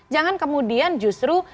jangan kemudian justru